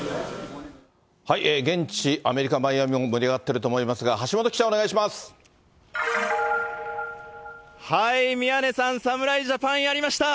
現地、アメリカ・マイアミも盛り上がってると思いますが、宮根さん、侍ジャパン、やりました。